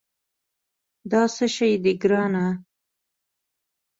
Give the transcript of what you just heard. دا څه شي دي، ګرانه؟